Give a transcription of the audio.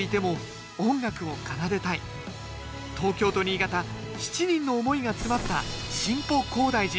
東京と新潟７人の思いが詰まった「新保広大寺」